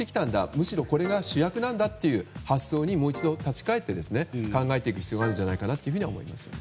むしろこれが主役なんだという発想に立ち返って考えていく必要があるんじゃないかなと思います。